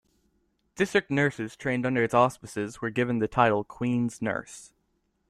District nurses trained under its auspices were given the title Queen's Nurse.